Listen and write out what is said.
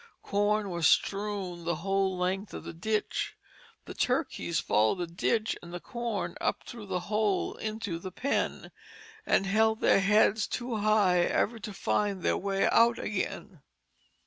Corn was strewn the whole length of the ditch. The turkeys followed the ditch and the corn up through the hole into the pen; and held their heads too high ever to find their way out again.